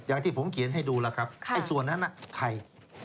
อย่างที่ผมเขียนให้ดูแล้วครับไอ้ส่วนนั้นใคร